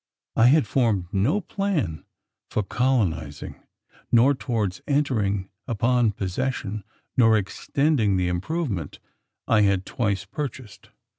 I had formed no plan for colonising neither towards entering upon possession, nor extending the "improvement" I had twice purchased.